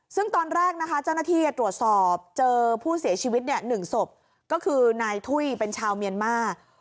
ซึ่งตอนแรกนะคะเจ้าหน้าที่ตรวจสอบเจอผู้เสียชีวิต๑ศพก็คือนายถุ้ยเป็นชาวเมียนมาร์